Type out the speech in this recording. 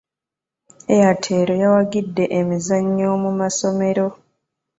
Airtel yawagidde emizannyo mu ssomero.